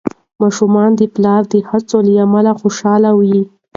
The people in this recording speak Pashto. ماشومان د پلار د هڅو له امله خوشحال وي.